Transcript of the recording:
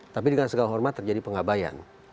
tapi dengan segala hormat terjadi pengabayan